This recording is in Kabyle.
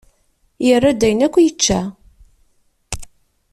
Yerra-d ayen akk i yečča.